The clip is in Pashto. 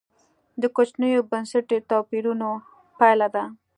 د کوچنیو بنسټي توپیرونو پایله ده.